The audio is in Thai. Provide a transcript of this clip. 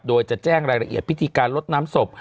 โดยจะแจ้งรายละเอียดพิธีการลดน้ำศพ